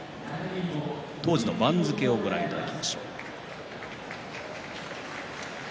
当時の番付をご覧いただきましょう。